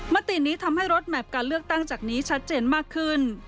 มตินี้ทำให้รถแมพการเลือกตั้งจากนี้ชัดเจนมากขึ้น